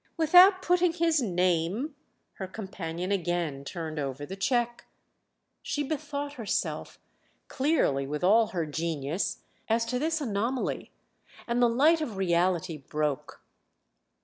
"Without putting his name?"—her companion again turned over the cheque. She bethought herself, clearly with all her genius, as to this anomaly, and the light of reality broke.